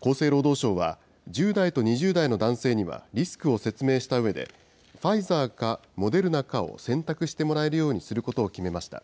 厚生労働省は、１０代と２０代の男性にはリスクを説明したうえで、ファイザーかモデルナかを選択してもらえるようにすることを決めました。